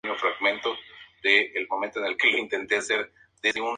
Los colores que identifican al equipo son el negro, blanco y rojo.